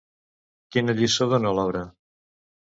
Quina lliçó dona l'obra?